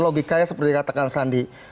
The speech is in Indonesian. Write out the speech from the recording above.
logikanya seperti yang dikatakan sandi